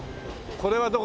これはどこ？